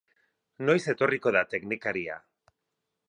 Noiz etorriko da teknikaria?